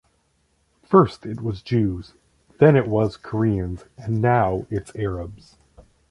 First it was Jews, then it was Koreans and now it's Arabs.